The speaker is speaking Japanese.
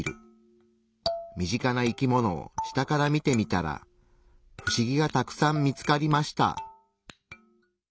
身近な生き物を下から見てみたらフシギがたくさん見つかりました。